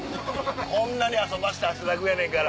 こんなに遊ばして汗だくやねんから。